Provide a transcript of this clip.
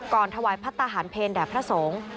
ก่อนทวายพระตาหารเผ็นแด่พระสงฆ์